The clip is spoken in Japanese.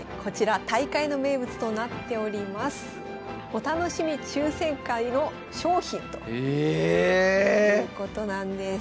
お楽しみ抽選会の賞品ということなんです。